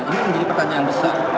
ini menjadi pertanyaan besar